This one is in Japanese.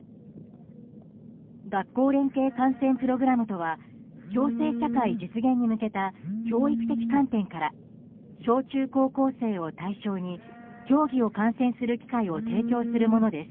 学校連携観戦プログラムとは共生社会実現に向けた教育的観点から小中高校生を対象に競技を観戦する機会を提供するものです。